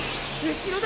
後ろだ！